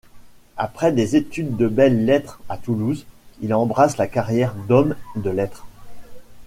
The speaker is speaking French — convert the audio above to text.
Après des études de belles-lettres à Toulouse, il embrasse la carrière d'homme de lettres.